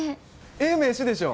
ええ名刺でしょ？